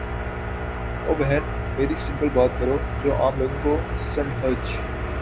او بہن میری سمپل بات کرو جو عام لوگوں کو سمحجھ